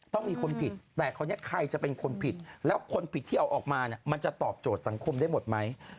ต้องมีคนผิดแต่คราวนี้ใครจะเป็นคนผิดแล้วคนผิดที่เอาออกมาเนี่ยมันจะตอบโจทย์สังคมได้หมดไหม